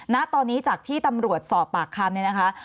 ณตอนนี้จากที่ตำรวจสอบปากคำเนี่ยนะคะ